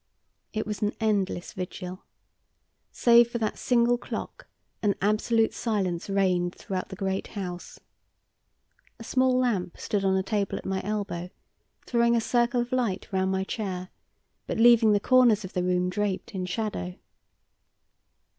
It was an endless vigil. Save for that single clock, an absolute silence reigned throughout the great house. A small lamp stood on the table at my elbow, throwing a circle of light round my chair, but leaving the corners of the room draped in shadow.